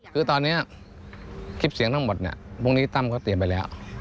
คือตอนนี้คลิปเสียงทั้งหมดเนี่ยพรุ่งนี้ตั้มเขาเตรียมไปแล้ว